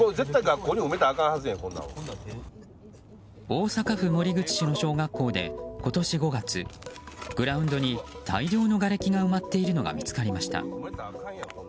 大阪府守口市の小学校で今年５月グラウンドに大量のがれきが埋まっているのが見つかりました。